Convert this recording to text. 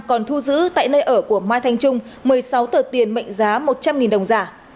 còn thu giữ tại nơi ở của mai thanh trung một mươi sáu tờ tiền mệnh giá một trăm linh đồng giả